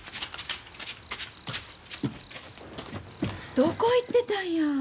どこ行ってたんや？